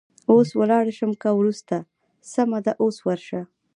اوس ولاړه شم که وروسته؟ سمه ده، اوس ورشه.